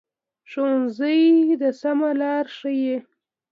ښوونځی د سمه لار ښيي